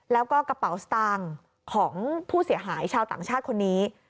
แล้วก็กระเป๋าสตางค์ของผู้เสียหายชาวต่างชาติคนนี้